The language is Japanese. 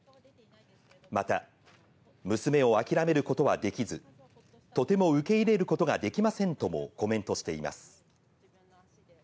また、娘を諦めることはできず、とても受け入れることができませんともコメントしています。